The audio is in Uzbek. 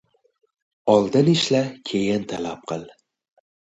• Oldin ishla, keyin talab qil.